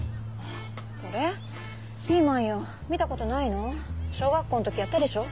ピーマンよ見たことないの？小学校の時やったでしょ？